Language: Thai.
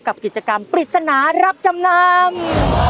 กับกิจกรรมปริศนารับจำนำ